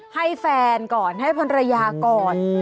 ให้แฟนก่อนให้ภรรยาก่อน